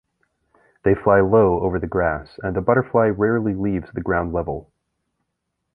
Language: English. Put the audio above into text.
They fly low over the grass and the butterfly rarely leaves the ground level.